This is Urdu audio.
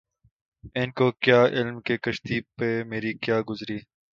ان کو کیا علم کہ کشتی پہ مری کیا گزری